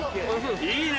いいね。